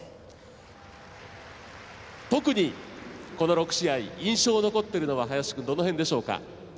特にこの６試合印象に残ってるのは林君、どの辺でしょうか。